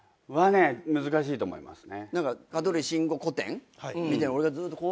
難しいと思いますね。